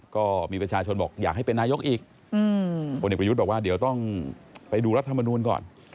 ก็มีประชาชนบอกอยากให้เป็นนายกอีกคนเอกประยุทธ์บอกว่าเดี๋ยวต้องไปดูรัฐมนูลก่อน